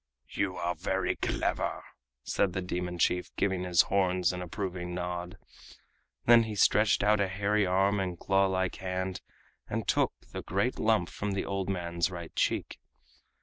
"You are very clever," said the demon chief, giving his horns an approving nod. Then he stretched out a hairy arm and claw like hand, and took the great lump from the old man's right cheek.